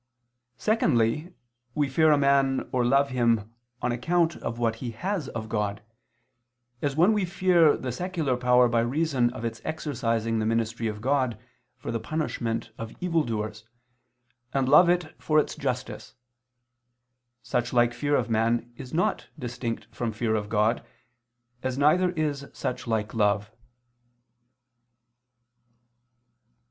Secondly, we fear a man, or love him on account of what he has of God; as when we fear the secular power by reason of its exercising the ministry of God for the punishment of evildoers, and love it for its justice: such like fear of man is not distinct from fear of God, as neither is such like love.